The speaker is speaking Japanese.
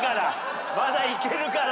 まだいけるから。